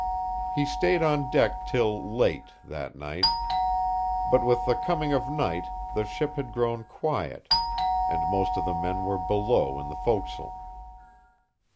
He stayed on deck till late, that night; but with the coming of night the ship had grown quiet, and most of the men were below in the fo'c's'le.